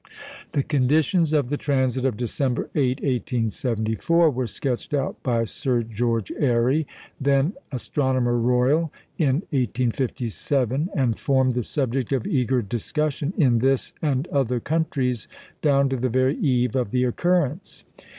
The conditions of the transit of December 8, 1874, were sketched out by Sir George Airy, then Astronomer Royal, in 1857, and formed the subject of eager discussion in this and other countries down to the very eve of the occurrence.